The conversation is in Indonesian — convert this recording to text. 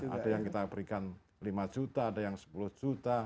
ada yang kita berikan lima juta ada yang sepuluh juta